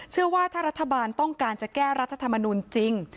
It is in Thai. เชื่อว่าถ้ารัฐบาลต้องการจะแก้รัฐธรรมนูลจริง